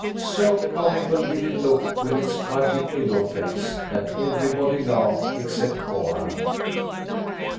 So comical did it look with its pudgy pillow face, that everybody laughed except Cora.